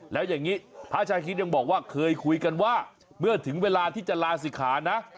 แล้วอย่างนี้พระชาคิดยังบอกว่าเคยคุยกันว่าเมื่อถึงเวลาที่จะลาศิกขานะ